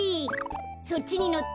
そっちにのって。